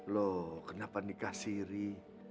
loh kenapa nikah sirih